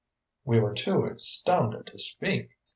_" We were too astounded to speak.